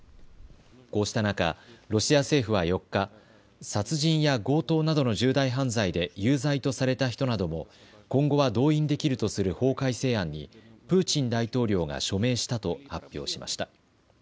こうした中、ロシア政府は４日、殺人や強盗などの重大犯罪で有罪とされた人なども今後は動員できるとする法改正案にプーチン大統領が署名したと発表しました。